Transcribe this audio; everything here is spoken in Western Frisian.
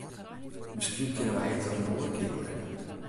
Miskien kinne wy it der in oare kear oer hawwe.